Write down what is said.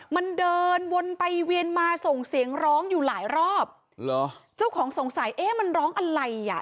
มันเดินวนไปเวียนมาส่งเสียงร้องอยู่หลายรอบเหรอเจ้าของสงสัยเอ๊ะมันร้องอะไรอ่ะ